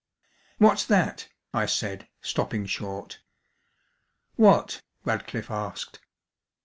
"What's that?" I said, stopping short. "What?" Radcliffe asked.